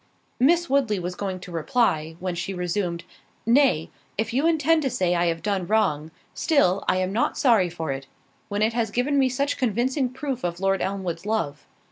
Miss Woodley was going to reply, when she resumed, "Nay, if you intend to say I have done wrong, still I am not sorry for it, when it has given me such convincing proofs of Lord Elmwood's love.